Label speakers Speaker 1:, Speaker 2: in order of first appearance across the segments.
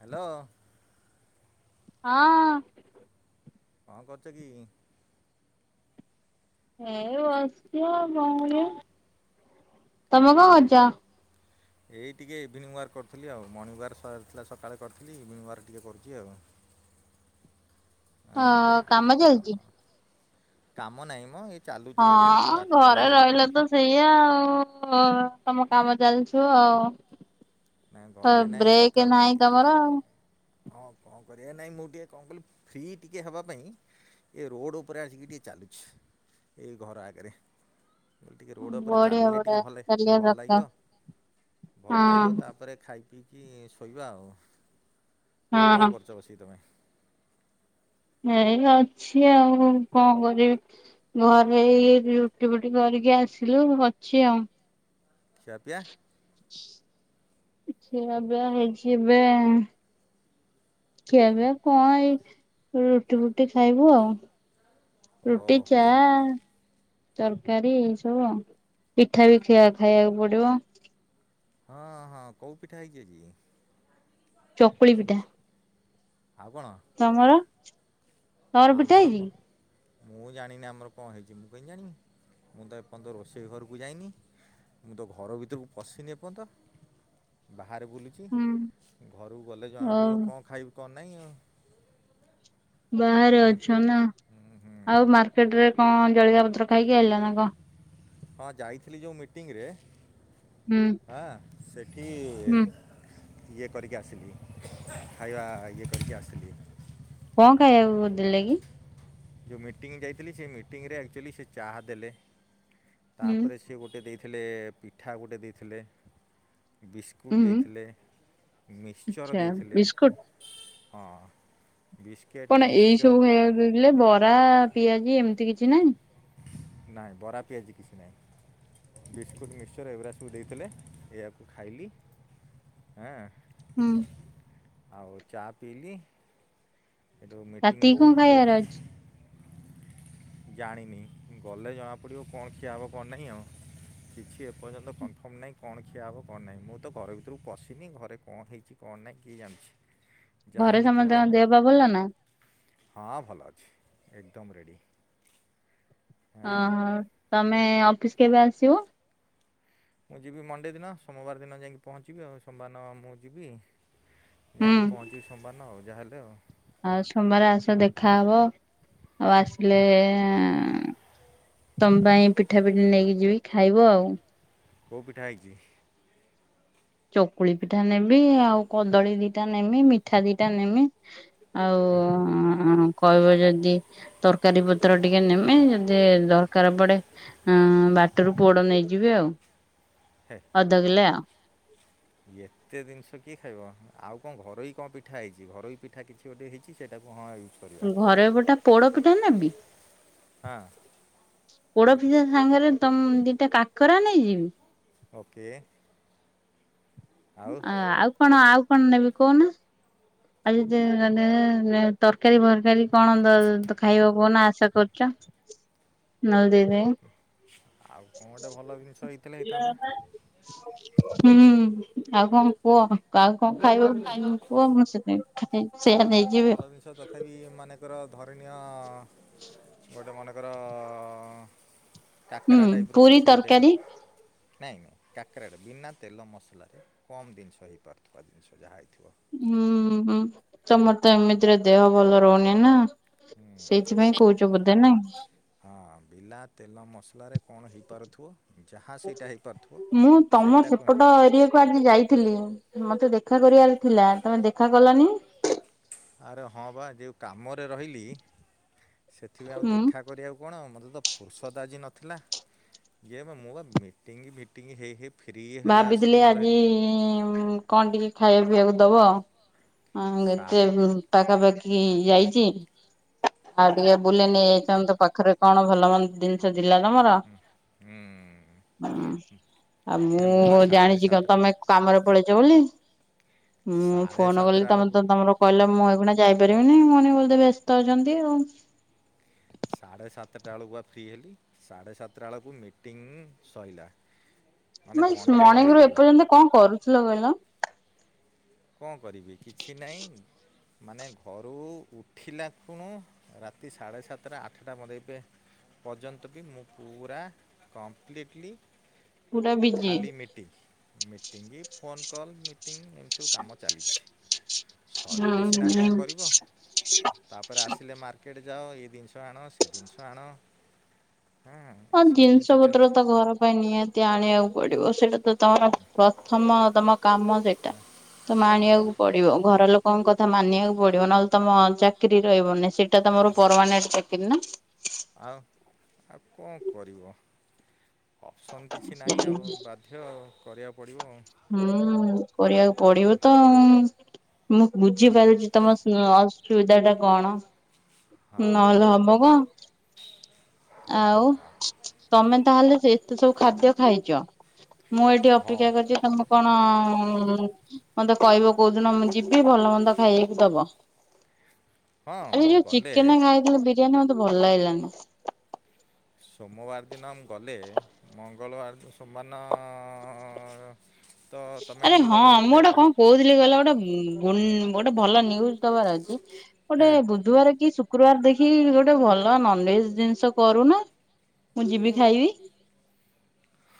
Speaker 1: Hello.
Speaker 2: ହଁ।
Speaker 1: କଣ କରୁଛ କି?
Speaker 2: ଏଇ ବସିଚି ଆଉ କଣ କରିବି। ତମେ କଣ
Speaker 1: ହଁ କ
Speaker 2: କରୁଛ।
Speaker 1: ଏଇ ଟିକେ ଇଭିନିଂ ୱାର୍କ କରୁଥିଲି ଆଉ ମର୍ଣିଂ ୱାର୍କ ସରିଥିଲା ସକାଳେ କରିଥିଲି ଇଭିନିଂ ୱାର୍କ ଟିକେ କରୁଛି ଆଉ। [unintelligible]
Speaker 2: ହଁ କାମ
Speaker 1: ଖା- ଆଉ
Speaker 2: ଚାଲିଚି?
Speaker 1: କାମ ନାହିଁ ମ ଏ
Speaker 2: ହଁ ଘରେ ରହିଲେ ତ ସେଇଆ ଆଉ। ଓ ତମ କାମ ଚାଲୁଥିବା ଆଉ।
Speaker 1: ନାଇଁ
Speaker 2: ତ
Speaker 1: ଘରେ ନାଇଁ କଥା
Speaker 2: ବ୍ରେକ
Speaker 1: ହେଉଛି
Speaker 2: ନାଇଁ ତମର।
Speaker 1: ହଁ। କଣ କରିବା ନାଇଁ ମୁଁ ଟିକେ କଣ କଲିି ଫ୍ରି ଟିକେ ହେବା ପାଇଁ ଏ ରୋଡ ଉପରେ ଆସିକି ଟିକେ ଚାଲୁଛି। ଏଇ ଘର ଆଗରେ। ଟିକେ ରୋଡ ଉପରେ
Speaker 2: ବଢିଆ
Speaker 1: ଚାଲିଲେ ଟିକେ
Speaker 2: ବଢିଆ
Speaker 1: ଭଲ
Speaker 2: ଚାଲିବା
Speaker 1: ଭଲ
Speaker 2: ଦରକାର।
Speaker 1: ଲାଗିବ ଭଲ ଲାଗିବ
Speaker 2: ହଁ
Speaker 1: ତାପରେ ଖାଇ ପିଇକି ଶୋଇବା ଆଉ। ଆଉ କଣ
Speaker 2: ହଁ
Speaker 1: କରୁଛ ବସିକି ତମେ?
Speaker 2: ଏଇ ଅଛି ଆଉ କଣ କରିବି ଘରେ ଏଇ ରୁଟି ଫୁଟି କରି ଟିକେ ଆସିଲୁ ଅଛି ଆଉ।
Speaker 1: ଖିଆ ପିଆ?
Speaker 2: ଖିଆ ପିଆ ହେଇଛି ଏବେ ଖିଆ ପିଆ କଣ ଏଇ ରୁଟି ଫୁଟି ଖାଇବୁ ଆଉ।
Speaker 1: ଓ
Speaker 2: ରୁଟି ଚା।
Speaker 1: ହଉ
Speaker 2: ତରକାରୀ ଏଇ ସବୁ ଆଉ ପିଠା ବି ଖିଆ ଖାଇବାକୁ ପଡିବ।
Speaker 1: ହଁ ହଁ କୋଉ ପିଠା ହେଇଛି ଆଜି?
Speaker 2: ଚକୁଳି ପିଠା।
Speaker 1: ଆଉ କଣ
Speaker 2: ତମର ତମର ପିଠା
Speaker 1: ଆମର କ
Speaker 2: ହେଇଛି କି?
Speaker 1: ମୁଁ ଜାଣିନି ଆମର କଣ ହେଇଛି ମୁଁ କେମିତି ଜାଣିବି ମୁଁ ତ ଏପର୍ଯ୍ୟନ୍ତ ରୋଷେଇ ଘରକୁ ଯାଇନି। ମୁଁ ତ ଘର ଭିତରକୁ ପଶିନି ଏପର୍ଯ୍ୟନ୍ତ ବା ବାହାରେ ବୁଲୁଛି।
Speaker 2: କି?
Speaker 1: ଘରକୁ ଗଲେ
Speaker 2: ହଉ
Speaker 1: ଜଣାପଡିବ କଣ ଖାଇବୁ କଣ ନାଇଁ ଆଉ?
Speaker 2: ବାହାରେ
Speaker 1: ହଁ
Speaker 2: ଅଛ ନା! ଆଉ ମାର୍କେଟରେ କଣ ଜଳଖିଆ ପ ପତ୍ର ଖାଇକି ଆଇଲ ନା କଣ?
Speaker 1: ହଁ ଯାଇଥିଲି ଯୋଉ ମିଟିଂରେ,
Speaker 2: ହୁଁ
Speaker 1: ଆଁ। ଇୟେ।
Speaker 2: ହୁଁ
Speaker 1: ଇଏ କରିକି ଆସିଲି, ଖାଇବା ଇଏ କରିକି ଆସିଲି।
Speaker 2: କଣ ଖାଇବାକୁ ଦେଲେ କି?
Speaker 1: ଯଉ ମିଟିଂ ଯାଇଥିଲି, ସେ ମିଟିଂରେ ଆକ୍ଚୁଆଲି ସେ ଚାହା ଦେଲେ,
Speaker 2: ହୁଁ
Speaker 1: ତାପରେ ସେ ଗୋଟେ ଦେଇ ଥିଲେ ପିଠା ଗୋଟେ ଦେଇଥିଲେ। ବିସ୍କୁଟ୍
Speaker 2: ହୁଁ
Speaker 1: ଦେଇଥିଲେ, ମିକ୍ସଚର୍
Speaker 2: ଆଚ୍ଛା
Speaker 1: ଦେଇଥିଲେ।
Speaker 2: ବିସ୍କୁଟ
Speaker 1: ହଁ। ବିସ୍କେଟ୍
Speaker 2: କଣ ଏଇ
Speaker 1: ମିକ୍ସଚର୍
Speaker 2: ସବୁ ଖାଇବାକୁ ଦେଇଥିଲେ ବରା, ପିଆଜି ଏମିତି କିଛି ନାହିଁ?
Speaker 1: ନାଇଁ ବରା ପିଆଜି କିଛି ନାହିଁ। ବିସ୍କୁଟ, ମିକ୍ସର ଏଗୁରା ସବୁ ଦେଇଥିଲେ ସେଇଆକୁ ଖାଇଲି ଆଁ।
Speaker 2: ହୁଁ।
Speaker 1: ଆଉ ଚା ପିଇଲିି। ସେଠୁ ମିଟିଂ
Speaker 2: ରାତିକି କଣ
Speaker 1: ବହୁତ
Speaker 2: ଖାଇବାର ଅଛି
Speaker 1: ଜାଣିନି, ଗଲେ ଜଣା ପଡ଼ିବ କଣ ଖିଆ ହେବ କଣନାହିଁ ଆଉ। କିଛି ଏପର୍ଯ୍ୟନ୍ତ କନଫର୍ମ ନାହିଁ କଣ ଖିଆ ହେବ କଣ ନାହିଁ ମୁଁ ତ ଘର ଭିତରକୁ ପଶିନି ଘରେ କଣ ହେଇଚି କଣ କଣ ନାଇଁ କିଏ ଜାଣିଚି?
Speaker 2: ଘରେ ସମସ୍ତଙ୍କ ଦେହ ପା ଭଲ ନା?
Speaker 1: ହଁ ଭଲ ଅଛି ଏକଦମ୍ ରେଡ଼ି। ହଁ
Speaker 2: ଓହୋ ତମେ ଅଫିସ୍ କେବେ ଆସିବ?
Speaker 1: ମୁଁ ଯିବି ମଣ୍ଡେ ଦିନ ସୋମବାର ଦିନ ଯାଇଁକି ପହଞ୍ଚିବି ଆଉ ସୋମବାର ଦିନ ମୁଁ ଯିବି
Speaker 2: ହୁଁ
Speaker 1: ଯାଇଁକି ପହଞ୍ଚିବି ସୋମବାର ଦିନ ଆଉ ଯାହାହେଲେ ଆଉ।
Speaker 2: ଆଉ ସୋମବାରେ ଆସ ଦେଖା ହବ ଆଉ ଆସିଲେ ଏଁ ତମ ପାଇଁ ପିଠା ପିଠି ନେଇକି ଯିବି ଖାଇବ ଆଉ।
Speaker 1: କୋଉ ପିଠା ହେଇଚି?
Speaker 2: ଚକୁଳି ପିଠା ନେମି ଆଉ କଦଳୀ ଦିଟା ନେମି ମିଠା ଦିଟା ନେମି ଆଉ କହିବ ଯଦି ତରକାରୀ ପତ୍ର ଟିକେ ନେମି, ଯଦି ଦରକାର ପଡେ ବାଟରୁ ପୋଡ ନେଇଯିବି ଆଉ,
Speaker 1: ହେ
Speaker 2: ଅଧ କିଲ ଆଉ
Speaker 1: ଏତେ ଜିନିଷ କିଏ ଖାଇବ, ଆଉ କଣ ଘରୋଇ କଣ ପିଠା ହେଇଛି, ଘରୋଇ ପିଠା କିଛି ଗୋଟେ ହେଇଛି ସେଟା କଣ ଖାଇବୁ [unintelligible]
Speaker 2: ଘରେ ପଟା ପୋଡ଼ପିଠା ନେବି?
Speaker 1: ହଁ
Speaker 2: ପୋଡ ପିଠା ସାଙ୍ଗରେ ତ ଦିଟା କାକରା ନେଇଯିବି।
Speaker 1: ଓକେ। ଆଉ
Speaker 2: ଆ ଆଉ କଣ ଆଉ କଣ ନେବି କହୁନ? ଆ ଯେ ତରକାରୀ ଫରକାରୀ, କଣ ଖାଇବା କହୁନ ଆଶା କରୁଛ। ନହେଲେ ଦେଇଦେବି
Speaker 1: ଆଉ କଣ ଗୋଟେ ଭଲ ଜିନିଷ ହେଇଥିଲେ ହେଇଥାନ୍ତା।
Speaker 2: ହୁଁ। ଆଉ କଣ କୁହ, ଆଉ କଣ ଖାଇବ କୁହ, ମୁ ସେଥି
Speaker 1: ଆଉ ଗୋଟେ କଣ ଭଲ ଜିନିଷ, ତଥାପି ମାନେଙ୍କର ଧରି ନିଅ ଗୋଟେ ମନେକର
Speaker 2: ହୁଁ
Speaker 1: କାକରା ଟାଇପ ର
Speaker 2: ପୁରୀ
Speaker 1: କିଛି ଗୋଟେ।
Speaker 2: ତରକାରୀ
Speaker 1: ନାଇଁ କାକରାଟ ବିନା ତେଲ ମସଲାରେ, କମ ଜିନିଷ ହେଇପାରୁଥିବା ଜିନିଷ ଯାହା ହେଇଥିବ।
Speaker 2: ହୁଁ ତମର ତ, ଏମିତିରେ ଦେହ ଭଲ ରହୁନି ନା। ସେଇଥିପାଇଁ
Speaker 1: ହୁଁ
Speaker 2: କହୁଛ ବୋଧେ ନାଇଁ
Speaker 1: ହଁ ବିନା ତେଲ ମସଲାରେ କଣ ହେଇପାରୁଥିବ। ଯାହା ସେଇଟା ହେଇପାରୁଥିବ
Speaker 2: ମୁଁ ତମ
Speaker 1: ସେଟାକୁ
Speaker 2: ସେପଟ ଏରିଆକୁୁ, ଆଜି ଯାଇଥିଲି ମତେ ଦେଖ ଦେଖା କରିବାର ଥିଲା, ତମେ ଦେଖା କଲନି।
Speaker 1: ଆରେ ହଁ ବା, ଯେଉଁ କାମରେ ରହିଲି ସେଥିପାଇଁ ଆଉ
Speaker 2: ହୁଁ
Speaker 1: ଦେଖା କରିବାକୁ କଣ ମ ତ ଫୁର୍ସଦ ଆଜି ନଥିଲା କିଏ ମ ମୁଁ ବା ମିଟିଙ୍ଗ ଫିଟିଙ୍ଗ ହେଇ ହେଇ ଫ୍ରି ହେଲା
Speaker 2: ଭାବିଥିଲି
Speaker 1: ଆସିକି ମୋର ହେ
Speaker 2: ଆଜି କଣ ଟିକେ ଖାଇବା ପିଇବାକୁ ଦବ। ହଁ
Speaker 1: ସା
Speaker 2: ଗେତେ ପାଖାପାଖି ଯାଇଛି। ଆଉ ଟିକେ ବୁଲି ନେଇଯାଇଛନ୍ତି ତ ପାଖରେ କଣ ଭଲ ମନ୍ଦ ଜିନିଷ ଜିଲ୍ଲା ତମର
Speaker 1: ହୁଁ
Speaker 2: ହୁଁଉ ଆଉ
Speaker 1: ନାଇଁ ବା
Speaker 2: ମୁଁ
Speaker 1: ସାଢ଼େ
Speaker 2: ଜାଣିଛି କଣ
Speaker 1: ସାତଟା
Speaker 2: ତମେ କାମରେ ପଳେଇଛ ବୋଲି। ମୁଁ
Speaker 1: ସାଢ଼େ
Speaker 2: ଫୋନ
Speaker 1: ସାତଟା
Speaker 2: କଲି
Speaker 1: ବେଳକୁ
Speaker 2: ତମେ ତମର କହିଲା ମୁଁ ହେଇଗନା ଯାଇପାରିବିନି କ ମଣି [unintelligible] ବ୍ୟସ୍ତ ଅଛନ୍ତି ଆଉ
Speaker 1: ସାଢ଼େ ସାତଟା ବେଳକୁ ବା ଫ୍ରି ହେଲି ସାଢ଼େ ସାତଟା ବେଳକୁ ମିଟିଂ ସ‌ଇଲା। ହୁଁ
Speaker 2: ମାଇସ୍ ମଣିଙ୍ଗ ରୁ ଏପର୍ଯ୍ୟନ୍ତ କଣ କରୁଥିଲ କହିଲ?
Speaker 1: କଣ କରିବି କିଛି ନାଇ। ମାନେ ଘରୁ ଉଠିଲା ଖୁଣୁ ରାତି ସାଢ଼େ ସାତଟା ଆଠଟା ମୋତେ ଏବେ ପର୍ଯ୍ୟନ୍ତ ବି ମୁଁ ପୁରା କମ୍ପ୍ଲିଟଲି
Speaker 2: ପୁରା ବିଯି।
Speaker 1: ମିଟିଙ୍ଗି ଫୋନ କଲ ମିଟିଂ ସବୁ କାମ ଚାଲିଛି ସରିଲେ ସିନା
Speaker 2: ହୁଁ ହୁଁ
Speaker 1: କଣ କରିବ। ତାପରେ ଆସିଲେ ମାର୍କେଟ ଯାଅ ଏଇ ଜିନିଷ ଆଣ ସେ ଜିନିଷ ଆଣ
Speaker 2: ହଁ ଜିନିଷ ପତ୍ର ତ ଘର ପାଇଁ ନିହାତି ଆଣିବାକୁ ପଡିବ ସେଇଟା ତ ତମର ପ୍ରଥମ ତମ କାମ ସେଇଟା ତମେ ଆଣିବାକୁ ପଡିବ ଘର ଲୋକ କଣ କଥା ମାନିବାକୁ ପଡିବ ନହେଲେ ତମ ଚାକିରୀ ରହିବନି ସେଇଟା ତମର ପରମାନେଣ୍ଟ ଚାକିରରି ନା।
Speaker 1: ଆଉ ଆଉ କଣ କରିବ ଅପସନ୍ କିଛି
Speaker 2: ହୁଁ
Speaker 1: ନାହିଁ ଆଉ ବାଧ୍ୟ କରିବାକୁ ପଡ଼ିବ ଆଉ
Speaker 2: ହୁଁ କରିବାକୁ ପଡିବୁ ତ ମୁଁ ବୁଝିପାରୁଛି ତମ ଅସୁବିଧା ଟା କଣ ନହେଲେ ହବ କ?
Speaker 1: ହଁ
Speaker 2: ଆଉ ତମେ ତାହେଲେ ଏତେ ସବୁ ଖାଦ୍ୟ ଖାଇଚ। ମୁଁ ଏଠି
Speaker 1: ହଁ ହଁ
Speaker 2: ଅପେକ୍ଷା କରିଛି ତମେ ମ କଣ ମତେ କହିବ କୋଉଦିନ ମୁଁ ଯି ଭଲ ମନ୍ଦ ଖାଇଆକୁ ଦବ।
Speaker 1: ହଁ
Speaker 2: ଆରେ
Speaker 1: ମୁଁ
Speaker 2: ଯୋଉ
Speaker 1: ଗଲେ
Speaker 2: ଚିକେନ ଖାଇଥିଲେ ବିରିୟାନୀ ମତେ ଭଲ ଲାଗିଲାନି।
Speaker 1: ସୋମବାର ଦିନ ମୁଁ ଗଲେ ମଙ୍ଗଳ ବାର ସୋମ ବାର ନ।
Speaker 2: ଆରେ ହଁ ମୁଁ ଗୋଟେ କଣ କହୁଥିଲି କହିଲ ଗୋଟେ ଉଁ ଗୋଟେ ଭଲ ନିଉଜ ଦବାର ଅଛି। ଗୋଟେ
Speaker 1: ହଁ
Speaker 2: ବୁଧବାର କି ଶୁ ଶୁକ୍ରବାର ଦେଖି ଗୋଟେ ଭଲ ନନଭେଜ ଜିନିଷ କରୁନା। ମୁଁ ଯିବି ଖାଇବି।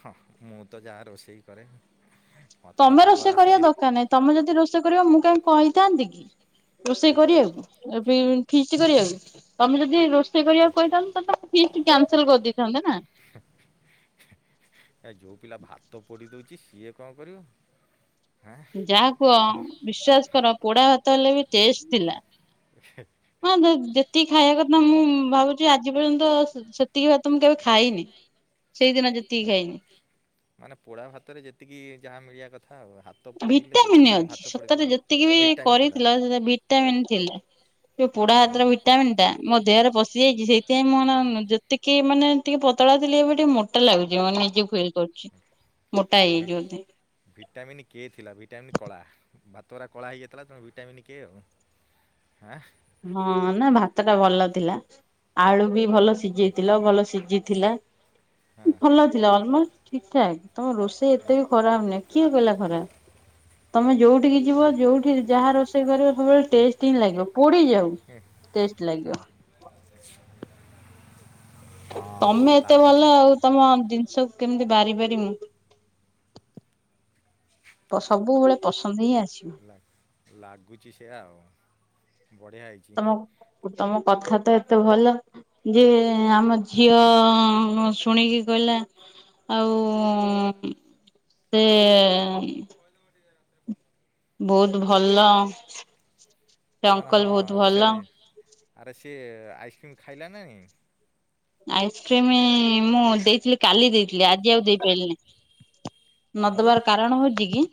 Speaker 1: ହଁ ମୁଁ ତ ଯାହା ରୋଷେଇ କରେ। ମୋତେ ତ
Speaker 2: ତମେ
Speaker 1: ଭଲ
Speaker 2: ରୋଷେଇ କରିବା
Speaker 1: ଆସିଛି
Speaker 2: ଦରକାର ନାହିଁ ତମେ ଯଦି ରୋଷେଇ କରିବ ମୁଁ କହିଥାନ୍ତି କି। ରୋଷେଇ କରିବାକୁ ଏ ପି ର ନ ଫି। ଚି କରିବାକୁ ତମେ ଯଦି ରୋଷେଇ କରିବାକୁ କହିଥାନ୍ତ ତ ତମେ ଫିଷ୍ଟି କ୍ୟାନସଲ କରି ଦେଇଥାନ୍ତ ନା।
Speaker 1: ହ ଏ ଯୋଉ ପିଲା ଭାତ ପୋଡି ଦଉଚି ସିଏ କଣ କରିବ। ହାଁ
Speaker 2: ଯାହା କୁହ ବିଶ୍ଵାସ କର ପୋଡା ଭାତ ହେଲେ ବି ଟେଷ୍ଟ ଥିଲା। ହଁ ଯ-ଯେତିକି ଖାଇବା କଥା ମୁଁ ଭାବୁଛି ଆଜି ପର୍ଯ୍ୟନ୍ତ ସ ସେତିକି ତ ମୁଁ କେବେ ଖାଇନି। ସେଇଦିନ ଯେତିକି ଖାଇନି।
Speaker 1: ମାନେ ପୋଡା ଭାତରେ ଯେତିକି ଯାହା ମିଳିଆ କଥା। ଆଉ ହାତ ପୋଡ଼ିଲେ ବି
Speaker 2: ଭିଟାମିନି
Speaker 1: ମାନେ ଭାତ
Speaker 2: ଅଛି
Speaker 1: ପୋଡ଼ିଲେ
Speaker 2: ସତରେ ଯେତିକି ବି
Speaker 1: ଭିଟାମିନ୍ ଥିଲା
Speaker 2: କରିଥିଲ [unintelligible] ଭିଟାମିନ ଥିଲା। ସେ ପୋଡା
Speaker 1: ହଁ
Speaker 2: ଭାତର ଭିଟାମିିନ ଟା ମୋ ଦେହରେ ପଶି ଯାଇଛି ସେଥିପାଇଁ ମୁଁ ଏନା ଉଁ ଯେତିକ କି ମାନେ ଟିକେ ପତଳା ଥିଲି ଏବେ ଟିକେ ମୋଟା ଲାଗୁଛି ମାନେ ନିଜେ ଫିଲ କରୁଛି। ମୋଟା ହେଇ
Speaker 1: ଭି
Speaker 2: ଯାଇଚି ବଧେ।
Speaker 1: ଭିଟାମିନ୍ କେ ଥିଲା ଭିଟାମିନ କଳା ଭାତ ରା କଳା ହେଇଯାଇଥିଲା ତେଣୁ ଭିଟାମିନି କେ ଆଉ ହାଁ।
Speaker 2: ହଁ ନା ଭାତ ଟା ଭଲ ଥିଲା ଆଳୁ ବି ଭଲ ସିଝେଇଥିଲ ଭଲ ସିଝି ଥିଲା
Speaker 1: ହଁ
Speaker 2: ଭଲ ଥିଲା ଅଲମୋଷ୍ଟ ଠିକ ଠାକ ତମ ରୋଷେଇ ଏତେ ବି ଖରାପ ନି କିଏ କହିଲା ଖରାପ ତମେ ଯୋଉଠିକି ଯିବ ଯୋଉଠି ଯାହା ରୋଷେଇ କରିବ। ସବୁବେଳେ ଟେଷ୍ଟ ହିଁ ଲାଗିବ ପୋଡି ଯାଉ ଟେଷ୍ଟ ଲାଗିବ।
Speaker 1: ହଁ
Speaker 2: ତମେ
Speaker 1: ହଁ
Speaker 2: ଏତେ
Speaker 1: ଲାଗୁଛି
Speaker 2: ଭଲ ଆଉ ତମ ଜିନିଷ। କେମିତି ବାରିପାରି ମୁଁ ପସ ସବୁବେଳେ ପସନ୍ଦ ହେଇ ଆ
Speaker 1: ହେଲା ଲାଗୁଚି ସେୟା ଆଉ। ବଢ଼ିଆ ହେଇଛି
Speaker 2: ତମ ତମ କଥା ତ ଏତେ ଭଲ। ଯେ ଆମ ଝିଅ ଶୁଣିକି କହିଲା। ଆଉ ସେ। ବହୁତ ଭଲ, ସେ
Speaker 1: ଆରେ
Speaker 2: ଅଙ୍କଲ
Speaker 1: ହଁ
Speaker 2: ବହୁତ ଭଲ।
Speaker 1: ସେରେ ଆରେ ସିଏ ଆଇସ୍ କ୍ରିମ୍ ଖାଇଲା ନାହିଁ।
Speaker 2: ଆଇସ୍କ୍ରିମି ମୁଁ ଦେଇଥିଲି, କାଲି ଦେଇଥିଲି, ଆଜି ଆଉ ଦେଇପାରିଲିନି। ନ
Speaker 1: ଆଉ
Speaker 2: ଦବାର କାରଣ ହଉଛି କି!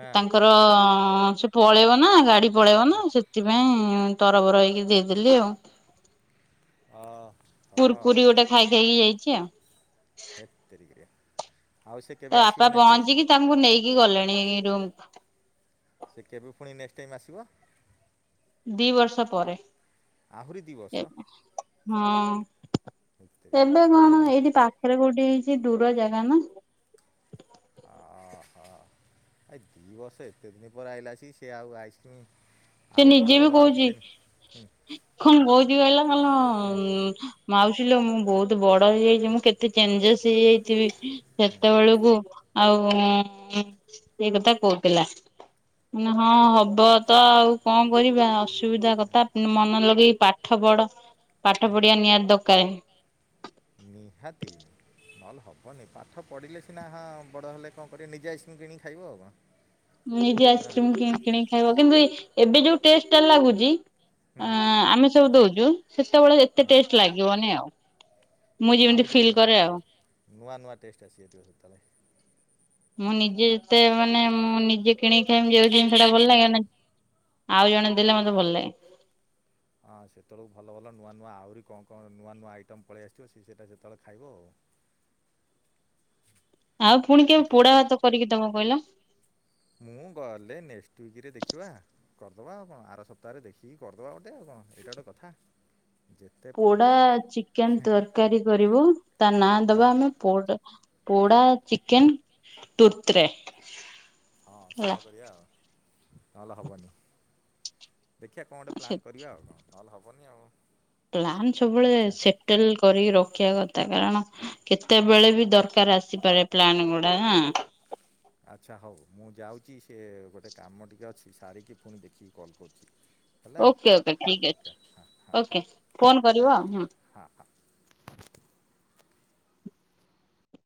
Speaker 1: ହଁ ଅ
Speaker 2: ତାଙ୍କର ସେ ପଳେଇବ ନା ଗାଡି ପଳେଇବ ନା ସେଥିପାଇଁ ତରବର ହେଇକି ଦେଇଦେଲି ଆଉ।
Speaker 1: ହଁ।
Speaker 2: କୁୁରକୁରି ଗୋଟେ ଖାଇ ଖାଇକି ଯାଇଛି ଆଉ।
Speaker 1: ରେ।
Speaker 2: ତା ବାପା ପହଞ୍ଚିକି ତାଙ୍କୁ ନେଇକି ଗଲେଣି ରୁମକୁ।
Speaker 1: ସେ କେବେ ପୁଣି ନେକ୍ସଟ୍ ଟାଇମ ଆସିବ?
Speaker 2: ଦି ବର୍ଷ ପରେ।
Speaker 1: ଆହୁରି ଦିବର୍ଷ?
Speaker 2: ହଁ ତବେ
Speaker 1: ଏତେ
Speaker 2: କଣ
Speaker 1: ଦିନ
Speaker 2: ଏଇଠି ପାଖରେ କୋଉଠି ହେଇଚି ଟିକେ ଦୂର ଜାଗା ନା?
Speaker 1: ଆ ଦି ବର୍ଷ ଏତେ ଦିନ ପରେ ଆଇଲା ଆସି ସେ ଆଉ ଆଇସ୍ କ୍ରିମି
Speaker 2: ସେ ନିଜେ ବି କହୁଚି,
Speaker 1: ହୁଁ
Speaker 2: କଣ କହୁଚୁ କହିଲ ହମ ମାଉସିଲୋ, ମୁଁ ବହୁତ ବଡ ହେଇଯାଇଛି, ମୁଁ କେତେ ଚେଞ୍ଜେସସ ହେଇଯାଇଥିବି ସେତେବେଳକୁ ଆଉ ଉଁ ସେଇ କଥା କହୁଥିଲା। ହଁ ହବ ତ ଆଉ କଣ କରିବା ଅସୁବିଧା କଥା ମନ ଲଗେଇ ପାଠ ପଢ, ପାଠ
Speaker 1: ହୁଁ
Speaker 2: ପଢିବା ନିହାତି ଦକ କରେନ [unintelligible]
Speaker 1: ନିହାତି। ନହେଲେ ହବନି ପାଠ ପଢିଲେ ସିନା ହଁ ବଡ ହେଲେ କଣ କରିବେ ନିଜେ ଆଇସ୍ କ୍ରିମ୍ କିଣିକି ଖାଇବ ଆଉ କଁ?
Speaker 2: ନିଜେ ଆଇସ୍କ୍ରିମ କିଣି କିଣିକି ଖାଇବ କିନ୍ତୁ ଏବେ ଯୋଉ ଟେଷ୍ଟ ଟା ଲାଗୁଛି
Speaker 1: ହୁଁ
Speaker 2: ଆଁ ଆମେ ସବୁ ଦଉଛୁ ସେତେବେଳେ ଏତେ ଟେଷ୍ଟ ଲାଗିବନି ଆଉ। ମୁଁ ଯେମିତି
Speaker 1: ଆଉ ଟିକେ
Speaker 2: ଫିଲ୍
Speaker 1: [unintelligible]
Speaker 2: କରେ
Speaker 1: ନୂଆ
Speaker 2: ଆଉ।
Speaker 1: ନୂଆ ନୂଆ ନୂଆ ଟେଷ୍ଟ ଆସିଯାଇଥିବ ସେତେବେଳେ।
Speaker 2: ମୁଁ ନିଜେ ଯେତେ ମାନେ ମୁଁ ନିଜେ କିଣିକି ଖାଇବି ଯୋଉ ଜିନିଷ ଟା ଭଲ ଲାଗିବ ନା ଆଉ ଜଣେ ଦେଲେ ମତେ ଭଲ ଲାଗେ।
Speaker 1: ହଁ ସେତେବେଳକୁ ଭଲ ଭଲ ନୂଆ ନୂଆ ଆହୁରି କଣ କଣ ନୂଆ ନୂଆ ଆଇଟମ୍ ପଳେଇ ଆସଥିବ, ସେ ସେଇଟା ସେତେବେଳେ ଖାଇବ ଆଉ। [inaudible]
Speaker 2: ଆଉ ପୁଣି କେବେ
Speaker 1: ଠିକ୍ରେ
Speaker 2: ପୋଡା ଭାତ କରିକି ଦବ କହିଲ।
Speaker 1: ମୁଁ ଗଲେ ନେଷ୍ଟ ୱିକରେ ଦେଖିବା କରିଦବା ଆଉ କଣ ଆର ସପ୍ତାହରେ ଦେଖିକି କରିଦବା ଗୋଟେ ଆଉ କଣ। ଏଇଟା ଗୋଟେ କଥା। ଯେତେ
Speaker 2: ପୋଡା ଚିକେନ ତରକାରୀ କରିବୁ ତା ନାଁ
Speaker 1: ହଁ
Speaker 2: ଦବା ଆମେ ପୋଡ। ପୋଡା ଚିକେନ ତୁର୍ତରେ।
Speaker 1: ହଁ ସେୟା କରିବା ଆଉ। ନହେଲେ ହବନି। ଦେଖିବା କଣ ଗୋଟେ ପ୍ଲାନ କରିବା ଆଉ କଣ ନହେଲେ ହବନି ଆଉ।
Speaker 2: ପ୍ଲାନ ସବୁବେଳେ
Speaker 1: ଆଚ୍ଛା
Speaker 2: ସେଟେଲ କରିକି ରଖିଆ କ ତା କାରଣ କେତେବେଳେ ବି ଦରକାର ଆସିପାରେ ପ୍ଲାନ ଗୁଡା ନା।
Speaker 1: ଆଚ୍ଛା ହଉ ମୁଁ ଯାଉଛି ସେ ଗୋଟେ କାମ ଟିକେ ଅଛି ସାରିକି ପୁଣି ଦେଖିକି କଲ କରୁଛି। ହେଲା
Speaker 2: ଓକେ ଓକେ ଠିକ
Speaker 1: ଓକେ
Speaker 2: ଅଛି
Speaker 1: ହଁ
Speaker 2: ଓକେ ଫୋନ
Speaker 1: ବାଏ
Speaker 2: କରିବ
Speaker 1: ବାଏ
Speaker 2: ହୁଁ।
Speaker 1: ହଁ ହଁ।